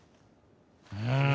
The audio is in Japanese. うん。